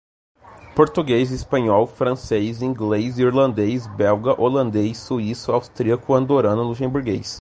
Português, Espanhol, Francês, Inglês, Irlandês, Belga, Holandês, Suíço, Austríaco, Andorrano, Luxemburguês.